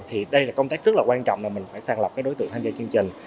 thì đây là công tác rất là quan trọng là mình phải sàng lọc cái đối tượng tham gia chương trình